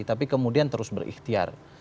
tapi kemudian terus berikhtiar